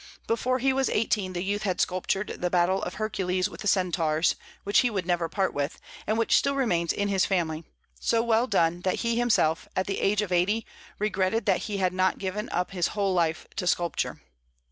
Before he was eighteen the youth had sculptured the battle of Hercules with the Centaurs, which he would never part with, and which still remains in his family; so well done that he himself, at the age of eighty, regretted that he had not given up his whole life to sculpture.